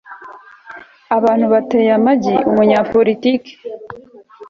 abantu bateye amagi umunyapolitiki